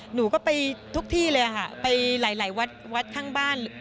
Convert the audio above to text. หนูก็ไปทุกที่เลยค่ะไปหลายวัดวัดข้างบ้าน